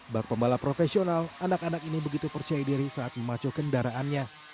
bak pembalap profesional anak anak ini begitu percaya diri saat memacu kendaraannya